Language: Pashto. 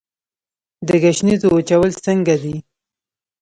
د ګشنیزو وچول څنګه دي؟